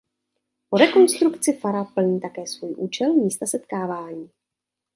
Po rekonstrukci fara plní také svůj účel místa setkávání.